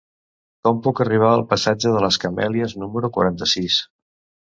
Com puc arribar al passatge de les Camèlies número quaranta-sis?